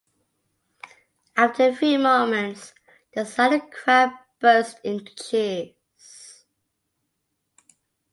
After a few moments, the silent crowd burst into cheers.